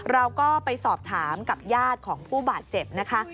เราก็ไปสอบถามกับญาติของผู้บาดเจ็บนะคะ